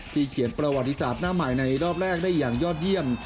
เขียนประวัติศาสตร์หน้าใหม่ในรอบแรกได้อย่างยอดเยี่ยม